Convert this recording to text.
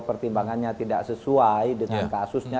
pertimbangannya tidak sesuai dengan kasusnya